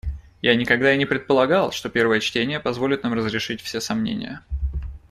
Я никогда и не предполагал, что первое чтение позволит нам разрешить все сомнения.